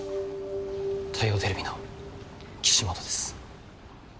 大洋テレビの岸本です。